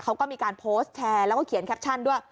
เขาก็มีการโพสต์แชร์แล้วก็เขียนแคปชั่นด้วย